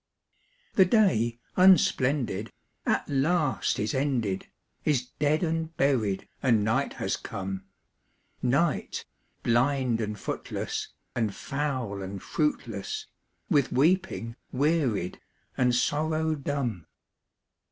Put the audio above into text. The day, unsplendid, at last is ended, Is dead and buried, and night has come; Night, blind and footless, and foul and fruitless, With weeping wearied, and sorrow dumb.